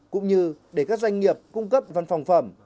cũng như để các doanh nghiệp cung cấp văn phòng phẩm